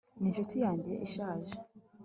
ni inshuti yanjye ishaje